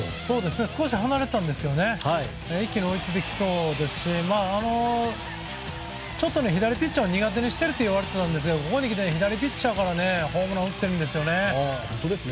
少し離れてたんですけど一気に追いついてきそうですし左ピッチャー、苦手にしてるといわれていたんですがここにきて左ピッチャーからホームラン打ってるんですよ。